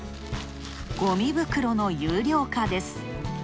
ごみ袋の有料化です。